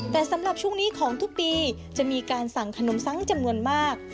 แต่สำหรับช่วงนี้ของทุกปีจะมีการสั่งขนมซังจำนวนมาก